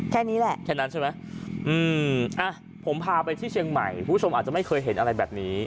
แค่นี้แหละ